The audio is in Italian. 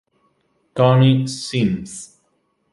Tony Simms